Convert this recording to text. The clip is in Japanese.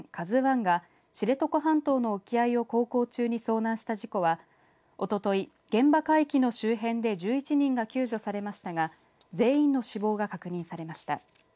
ＫＡＺＵＩが知床半島の沖合を航行中に遭難した事故はおととい、現場海域の周辺で１１人が救助されましたが全員の死亡が確認されました。